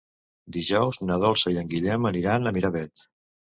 Dijous na Dolça i en Guillem aniran a Miravet.